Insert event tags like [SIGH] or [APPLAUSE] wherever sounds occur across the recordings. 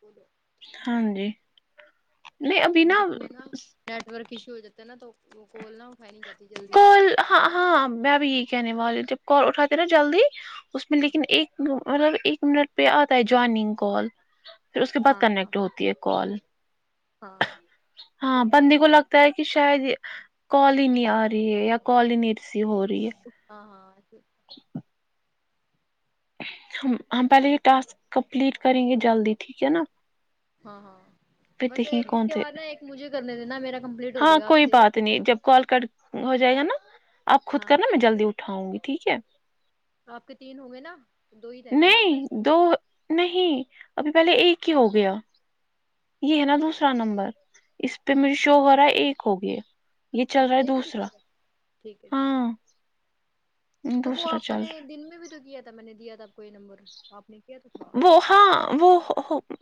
بولو ہاں جی نہیں ابھی بیچ میں نا نیٹ ورک ایشو ہو جاتا ہے نا تو کول نہ اٹھائی نہیں جاتی جلدی سے کال ہاں ہاں میں بھی یہی کہنے والی جب کال اٹھاتے نا جلدی اس میں ہاں لیکن ایک مطلب ایک منٹ پہ آتا ہے جوائننگ کال پھر اس کے بعد ہاں ہاں کنیکٹ ہوتی ہے کال ہاں ہاں بندی کو لگتا ہے کہ شاید یہ کال ہی نی آ رہی ہے یا کال ہی نئی ریسیو ہو رہی ہے ہاں ہاں ا ہم ہم پہلے یہ ٹاسک کمپلیٹ کریں گے جلدی ٹھیک ہے نا ہاں ہاں پھر بس دیکھیں ایک اس کون کے سے بعد نا ایک مجھے کرنے دینا میرا کمپلیٹ ہو ہاں جائے گا آپ کوئی سے بات نہیں جب کال کٹ ہو جائے گا نا آپ خود ہاں ہاں کرنا میں جلدی اٹھاؤں گی ٹھیک ہے آپ کے تین ہوں گے نا دو ہی رہ گے نا آپ تو نہیں اس دو نہیں ابھی پہلے ایک ہی ہو گیا یہ ہے نا دوسرا نمبر اس پہ میرے شوہر ہے ایک ہوگیا یہ چل رہا ہے ایک دکھا دوسرا رہے ٹھیک ہے ٹھیک ہاں تو وہ دوسرا آپ چل نے رہا دن میں بھی تو دیے تب میں نے دیا تھا آپ کو یہ نمبر آپ نے کیا تو تھا ہے وہ ہاں وہ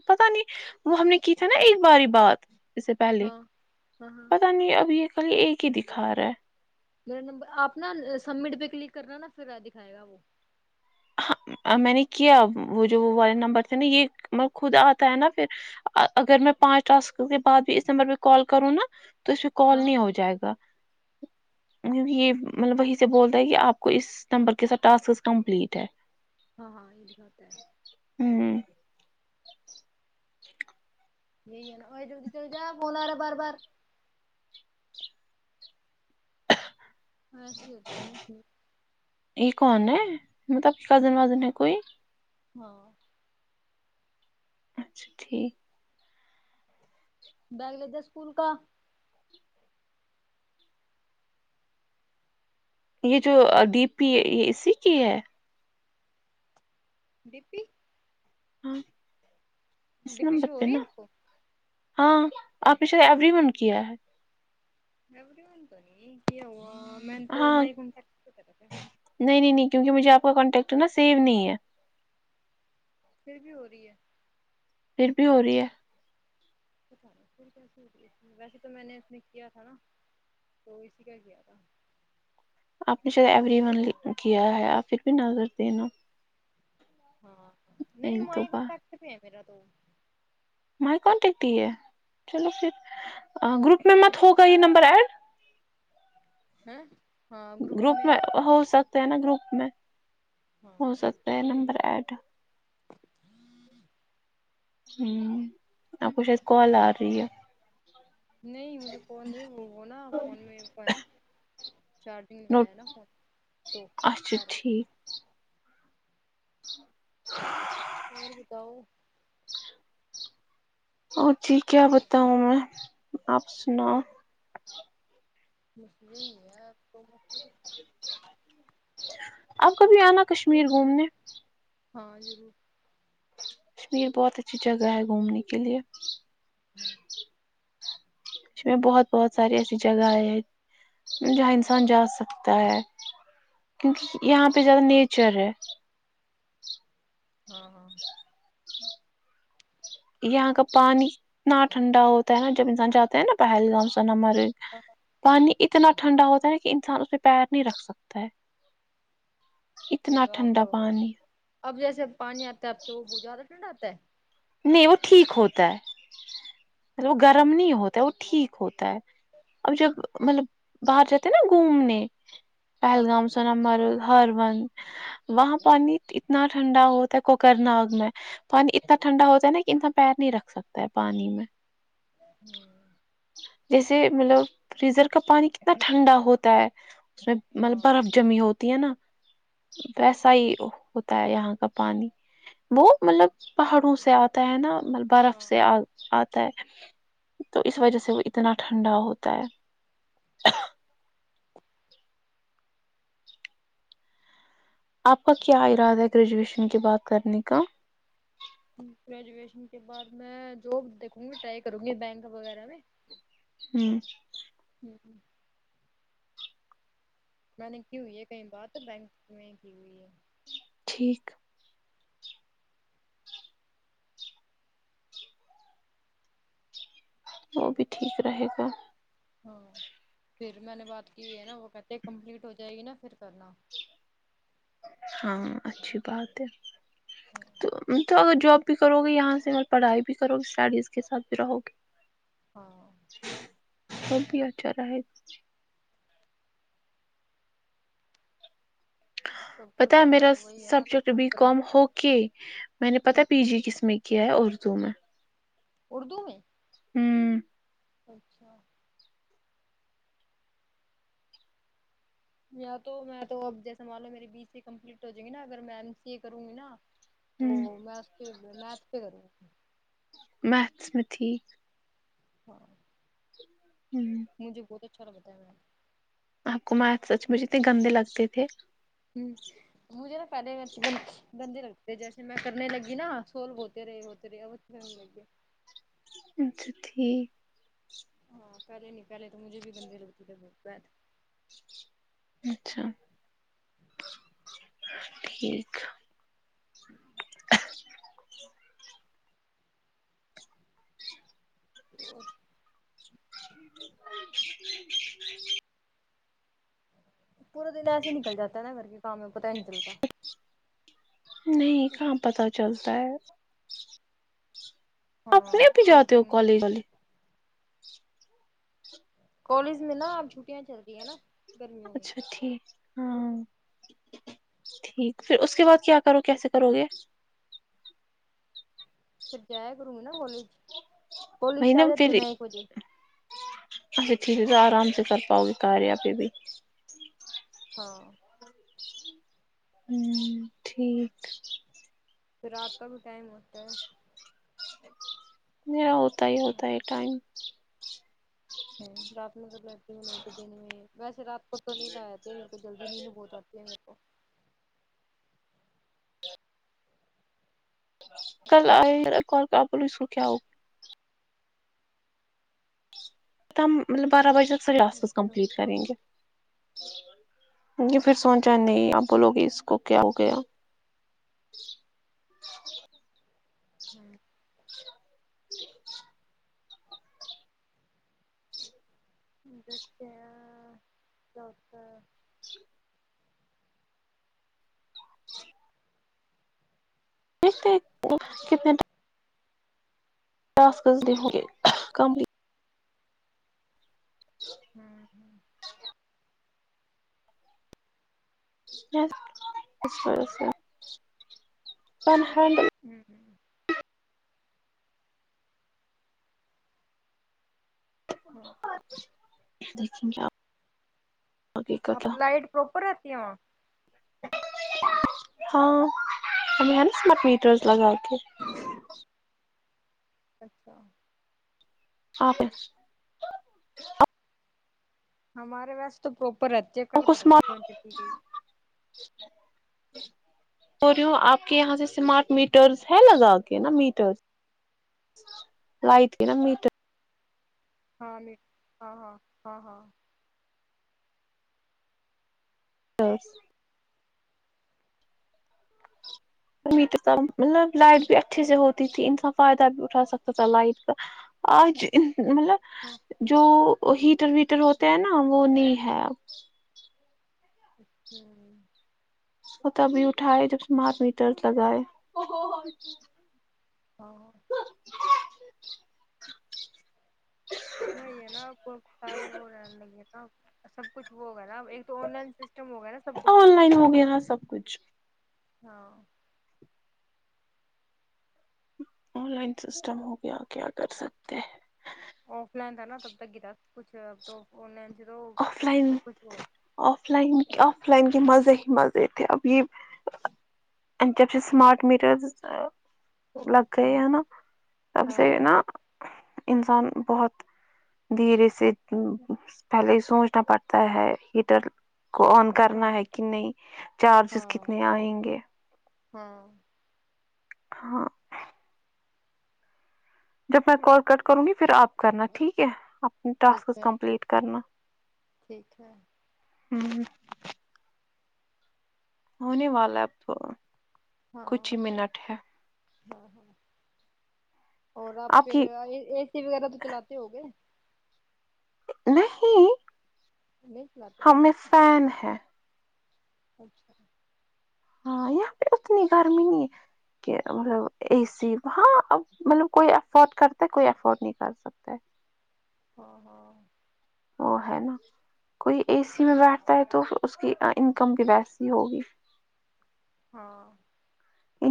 پتا نہیں وہ ہم نے کی تھی نا ایک باری بات اس سے پہلے ہاں ہاں ہاں پتا نہیں ابھی یہ کل ایک ہی دکھا رہا ہے میرا نمبر آپ نا سبمٹ پہ کلک کرنا نا پھر دکھائے گا وہ ہ میں نے کیا وہ جو وہ والے نمبر تھے نا یہ مے خود آتا ہے نا پھر اگر میں پانچ ٹاسکوں کے بعد بھی اس نمبر پہ کال کروں نا تو اس میں ہاں کال نہیں ہو جائے گا یہی مطلب وہی سے بولتا ہے کہ آپ کو اس نمبر کے ساتھ ٹاسک کمپلیٹ ہے ہاں ہاں یہ دکھاتا ہے ہوں یہی ہے نا اور جلدی چلے جا فون آرا بار بار ہاں اسلیے ہوتا ہے نہ کہ یہ کون ہے مطلب کی کزن وزن ہے کوئی ہاں اچھا ٹھیک بیاگ لے جا اسکول کا یہ جو ڈی پی ہے یہ اسی کی ہے ڈی پی ہاں اس ڈپی نمبر شو ہو پہ رہی ہے نا آپ کو ہاں آپ نے شاید ایوری ون کیا ہے اوی بنتا نہیں کہ میںن تو ہاں مئی کون ٹتا تھاس [INAUDIBLE] نہیں نہیں نہیں کیونک مجھے آپ کا کانٹیکٹ نا سیو نہیں ہے پھر بھی ہو رہی ہے پھر بھی ہو رہی ہے پتہ نہیں پھر کیسے ہو ویسے تو میں نے اس میں کیا تھا نا تو اسی کا کیا تھا آپ نے شاید ایوری ون کیا ہے آپ پھر بھی نظر دینا ہاں نہیں ایک دو بار مائکونٹک ہی ہے میرا تو مائی کانٹیکٹ ہی ہے چلو پھر گروپ میں مت ہوگا یہ نمبر ایڈ ہاں گروپ میں ہو سکتا ہے نا گروپ میں ہاں ہو سکتا ہے نمبر ایڈ ہوں [UNINTELLIGIBLE] ہوں آپ کوشاید کال آر رہی ہے نہیں مجھے فون نہیں وہ وہ نا فون میں ہے نا چارجنگ نوٹ لگایا ہے نا فون تو اچھا آرا ٹھیک [UNINTELLIGIBLE] اور بتاؤ اور جی کیا بتاؤں میں آپ سناو مسھ ہی ہے تو م [UNINTELLIGIBLE] [UNINTELLIGIBLE] [UNINTELLIGIBLE] آپ کبھی آنا ان کشمیر نادے، گھومنے ہاں ضرور کشمیر بہت اچھی جگہ ہے گھومنے کے لیے جی بہت بہت ساری ایسی جگہ ہے جہاں انسان جا سکتا ہے کیونکہ یہاں پہ زیادہ نیچر ہے ہاں ہاں یہاں کا پانی نا ٹھنڈا ہوتا ہے نا جب انسان جاتے ہیں نا پہلگام [UNINTELLIGIBLE] ہاں پانی اتنا ٹھنڈا ہوتا ہے نا کہ انسان اسے پیر نہیں رکھ سکتا ہے اتنا پھر آپ ٹھنڈا پانی اب جیسے پانی آتا ہے آپ وہ اب زیادہ ٹھنڈا آتا ہے نہیں وہ ٹھیک ہوتا ہے وہ اچھا گرم نہیں ہوتا ہے وہ ٹھیک ہوتا ہے اب جب مطلب باہر جاتے ہیں نا گھومنے ہاں پہلگام سے نا مر ہر وند وہاں پانی اتنا ٹھنڈا ہوتا ہے کوکر ناگ میں پانی اتنا ٹھنڈا ہوتا ہے نا کہ انسان پیر نہیں رکھ سکتا ہے پانی میں ھممم جیسے مطلب فریزر کا پانی کتنا ٹھنڈا ہوتا ہے اس میں مطلب ہاں برف جمی ہوتی ہے نا ویسا ہی ہوتا ہے یہاں کا پانی وہ مطلب پہاڑوں سے آتا ہے نا ملب برف ہاں سے اتا ہے تو اس وجہ سے وہ اتنا ٹھنڈا ہوتا ہے آپ کا کیا ارادہ ہے گریجویشن کے بعد کرنے کا گریجویشن کے بعد میں جاب دیکھوں گی ٹرائی کروں گی بینک وغیرہ میں ہھممم ھممم میں نے کی ہوئی ہے کہیں بار بینک میں کی ہوئی ہے ٹھیک وہ بھی ٹھیک رہے گا ہاں پھر میں نے بات کی ہے نا وہ کہتے ہیں کمپلیٹ ہو جائے گی نا پھر کرنا ہاں اچھی بات ہے تو تو اگر جاب بھی کرو گے یہاں سے اور پڑھائی بھی کرو گی شاید بھی رہو گے ہاں اب بھی اچھا رہے سب پتا کچھ ہے نا میرا وہی ہے نا سبجیکٹ سب کچھ بی کریں کوم ہو کے میں نے گے پتا پی جی کس میں کیا ہے اردو میں اردو میں ھممم اچھا یا تو میں تو اب جیسا مان لو میری بی سی کمپلیٹ ہو جائے گی نا اگر میں ایم سی اے کروں گی نا ہ تو میں اس پہ میتھس پہ کروں میتھس میں ٹھیک ہاں ھممم مجہے بہت اچھا لگتا ہے میتھس آپ کو میتھس سچ میں اتنے گندے لگتے تھے ھممم مجھے نا پہلے گندے لگتے جیسے میں کرنے لگی نا سولوے ہوتے رہے ہوتے رہے ہو رہے تے [UNINTELLIGIBLE] اچھا ٹھیک ہاں پہلے نہیں پہلے تو مجھے بھی گندی لگتی تھی بھوت میتھس اچھا ٹھیک اور پورا دن ایسے نکل جاتا ہے نا گھر کے کام میں پتا ہی نہیں چلتا نہیں کہاں پتا چلتا ہے آپ ہاں صحی بھی پورا جاتے ہو دن کولیج کالج میں نا اب چھٹیاں چل رہی ہیں نا گرمیوں میں اچھا ٹھیک ہاں ٹھیک پھر اس کے بعد کیا کرو کیسے کرو گے پھر جایا کروں گی نا کالج کالج وہی سے نا آ جاتے پھر میں ایک بجے اچھا ٹھیک ہے تو آرام سے کر پاؤ گی کار یہ اپ بھی ہاں ہوں ٹھیک پھر رات کا بھی ٹائم ہوتا ہے میرا ہوتا ہی ہوتا ہے ٹائم ہمم لب ل لتےنے ایک دن میں ویسے رات کو تو نیند آجاتی ہے میںکو جلدی نیند بہت اتی ہے میں کو کل آئے ک کا بول اس کو کیا ہوگا ت ہم مطلب بارہ بجے تک سے ر آس پس کمپلیٹ کریں گے یہ پھر سوچا نہیں آپ بولو گے اس کو کیا ہو گیا [UNINTELLIGIBLE] دیکھتے ہیں دیکھتے کتنے ٹاسکز کرنے ہو گے کمپلیٹ ہمم ہمم [UNINTELLIGIBLE] ہمم ہمم ہاں دیکن کیا آپ کی لائٹ پراپر رہتی ہے وہاں ہاں ہم ہ نس مق میٹروز لگاؤ کے اچھا آپ ہمارے واس تو پروپر رہتی کل پتہ نہیں کیوں چلی گئی [INAUDIBLE] ہو رہیوں آپ کے یہاں سے اسمارٹ میٹرس ہے لگا کے نا میٹر لائٹ کے نا میٹر ہاں نہیں ہاں ہاں ہاں ہاں ترس مئ تے سم مطلب لائٹ بھی اچھے سے ہوتی تھی انسان فائدہ بھی اٹھا سکتا تھا لائٹ کا اجج مطلب ہاں جو ہیٹر ویٹر ہوتے ہیں نا وہ نہیں ہے ہمم وہ تبھی اٹھائے جب سے مار میں درد لگائے ہاں ہاں وہی ہے نا آپ کو سارے وہ رہنے لگے تھا سب کچھ وہ ہوگا نا ا ایک تو آن لائن سسٹم ہوگا نا سب کچھ آن سب لائن سے ہو گیا نا سب کچھ ہاں آن لائن سسٹم ہو گیا کیا کر سکتے ہیں آف لائن تھا نا تب تک گراب کچھ اب تو آن لائن سے تو آف لائن سب کچھ ہو آف لائن آف لائن کے مزے ہی مزے تھے اب یہ ا جب سے سمارٹ میٹرزز لگ گئے ہاں ہے نا تب ہاں سے ہے ہاں نا انسان بہت دھیرے سے پہلے ہی سوچنا پڑتا ہے ہیٹر کو آن ہاں کرنا ہے کہ نہیں چارجز کتنے آئیں گے ہمم ہاں جب میں کال کٹ کروں گی پھر آپ کرنا ٹھیک ہے اپنے ٹھیک ٹاسکس ہے کمپلیٹ کرنا ٹھیک ہے ہمم ہونے والا اب تو ہاں کچھ ہی منٹ ہے ہاں ہاں اور آپ پھر اے سی وغیرہ تو چلاتے ہو گے نہیں نہیں چلاتے ہمیں فین ہے اچھا ہاں یہاں پہ اتنی گرمی نہیں ہے کہ اا اے سی ہاں مطلب کوئی افورڈ کرتا ہے کوئی افورڈ نہیں کر سکتا ہاں ہاں وہ ہے نا کوئی اے سی میں بیٹھتا ہے تو اس کی انکم بھی ویسی ہوگی ہاں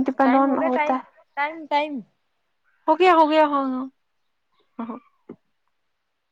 ڈپینڈ ٹائم آن ہو گیا ٹائم ہوتا ٹائم ٹائم ہوگیا ہوگیا [UNINTELLIGIBLE] ہمم